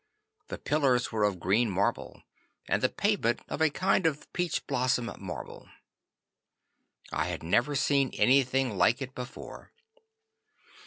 The pillars were of green marble, and the pavement of a kind of peach blossom marble. I had never seen anything like it before.